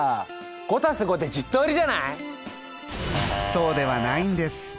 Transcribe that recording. そうではないんです。